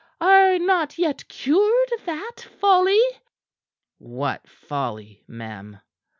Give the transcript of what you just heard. Art not yet cured of that folly?" "What folly, ma'am?"